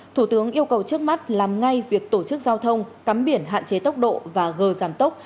thủ tướng yêu cầu trước mắt làm ngay việc tổ chức giao thông cắm biển hạn chế tốc độ và gờ giảm tốc